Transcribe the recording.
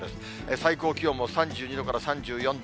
最高気温も３２度から３４度。